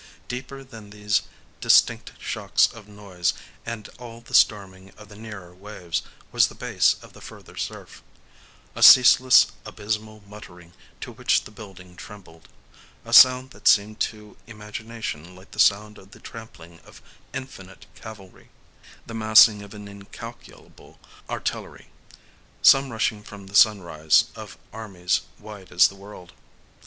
Deeper than these distinct shocks of noise, and all the storming of the nearer waves, was the bass of the further surf,—a ceaseless abysmal muttering to which the building trembled,—a sound that seemed to imagination like the sound of the trampling of infinite cavalry, the massing of incalculable artillery,—some rushing, from the Sunrise, of armies wide as the world.